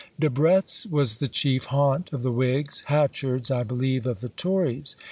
Debrett's was the chief haunt of the Whigs; Hatchard's, I believe, of the Tories.